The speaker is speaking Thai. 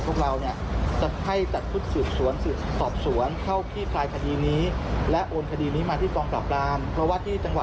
จนกระทั่งเขาอาจจะทำคดีนี้ไม่ได้